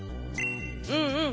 うんうん。